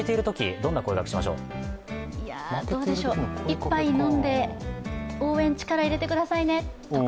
「１杯飲んで、応援、力入れてくださいね」とか。